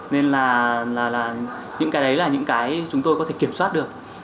nên là những cái đấy là những cái chúng tôi có thể kiểm soát được